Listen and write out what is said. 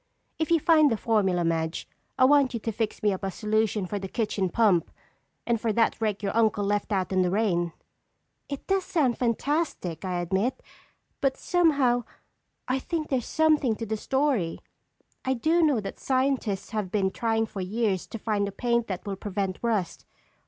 If you find the formula, Madge, I want you to fix me up a solution for the kitchen pump! And for that rake your uncle left out in the rain!" "It does sound fantastic, I admit, but somehow, I think there's something to the story. I do know that scientists have been trying for years to find a paint that will prevent rust.